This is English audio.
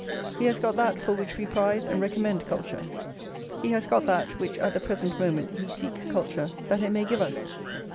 He has got that for which we prize and recommend culture; he has got that which at the present moment we seek culture that it may give us.